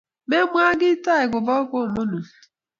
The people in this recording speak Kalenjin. Memwa kiy tai kobo komonut